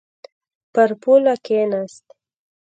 پر پوله کښېناست.